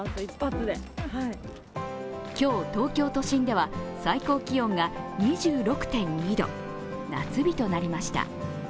今日、東京都心では最高気温が２６．２度、夏日となりました。